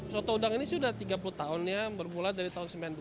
soto udang ini sudah tiga puluh tahunnya bergula dari tahun sembilan puluh dua